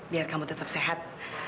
biar kamu tetap sehat